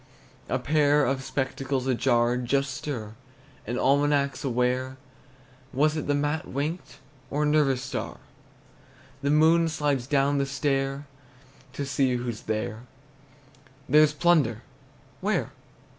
A pair of spectacles ajar just stir An almanac's aware. Was it the mat winked, Or a nervous star? The moon slides down the stair To see who's there. There's plunder, where?